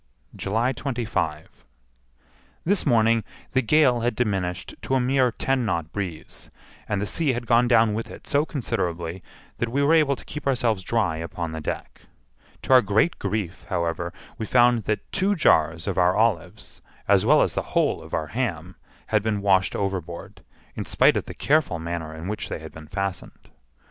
July 25. This morning the gale had diminished to a mere ten knot breeze, and the sea had gone down with it so considerably that we were able to keep ourselves dry upon the deck. To our great grief, however, we found that two jars of our olives, as well as the whole of our ham, had been washed overboard, in spite of the careful manner in which they had been fastened.